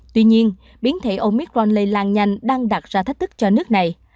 tuy nhiên biến thể omicron lây lan nhanh đang đặt ra thách thức cho nước này